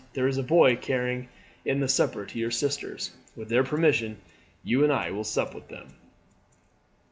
There is the boy carrying in the supper to your sisters; with their permission, you and I will sup with them."